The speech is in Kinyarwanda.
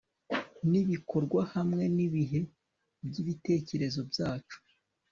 Nibikorwa hamwe nibihe byibitekerezo byacu